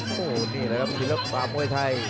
โอ้โหนี่เลยครับพี่ละปะมวยไทย